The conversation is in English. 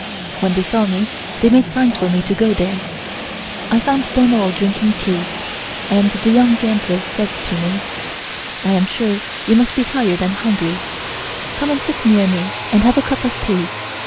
When they saw me they made signs for me to go there. I found them all drinking tea, and the Young Empress said to me, "I am sure you must be tired and hungry. Come and sit near me and have a cup of tea."